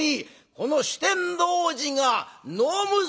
この酒呑童子が飲むぞ」。